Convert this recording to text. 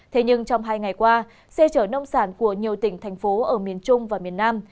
thế nhưng trong hai ngày qua xe chở nông sản của nhiều tỉnh thành phố ở miền trung và miền nam